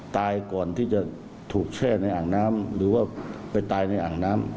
ตายก่อนที่จะถูกแช่ในอ่างน้ำหรือว่าไปตายในอ่างน้ำ